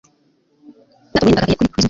Ubwato bunini bwagaragaye kuri horizone.